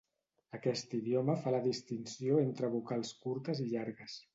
Aquest idioma fa la distinció entre vocals curtes i llargues.